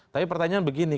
tapi pertanyaan begini